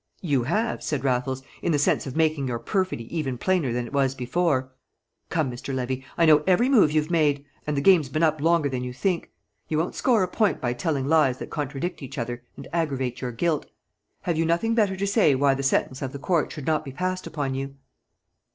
"You have," said Raffles, "in the sense of making your perfidy even plainer than it was before. Come, Mr. Levy! I know every move you've made, and the game's been up longer than you think; you won't score a point by telling lies that contradict each other and aggravate your guilt. Have you nothing better to say why the sentence of the court should not be passed upon you?"